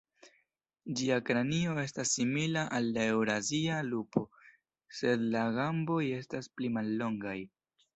Ĝia kranio estas simila al la eŭrazia lupo, sed la gamboj estas pli mallongaj.